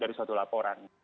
dari suatu laporan